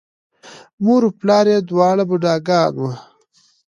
مور و پلار یې دواړه بوډاګان وو،